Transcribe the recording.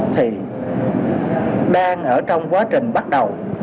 thì đang ở trong quá trình bắt đầu